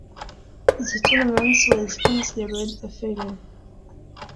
The tournament was considered a failure.